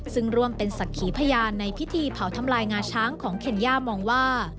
ซึ่งร่วมเป็นศักดิ์ขีพยานในพิธีเผาทำลายงาช้างของเคนย่ามองว่า